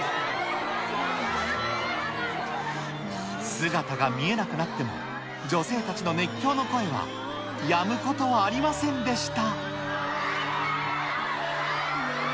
姿が見えなくなっても、女性たちの熱狂の声は、やむことはありませんでした。